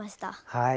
はい。